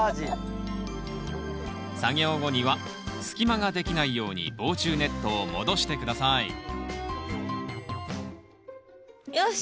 作業後には隙間ができないように防虫ネットを戻して下さいよし。